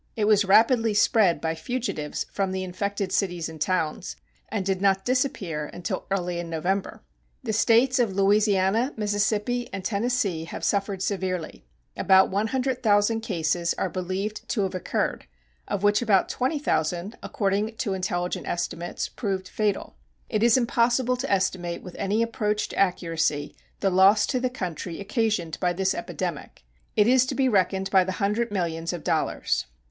It was rapidly spread by fugitives from the infected cities and towns, and did not disappear until early in November. The States of Louisiana, Mississippi, and Tennessee have suffered severely. About 100,000 cases are believed to have occurred, of which about 20,000, according to intelligent estimates, proved fatal. It is impossible to estimate with any approach to accuracy the loss to the country occasioned by this epidemic It is to be reckoned by the hundred millions of dollars.